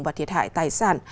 và thiệt hại tài sản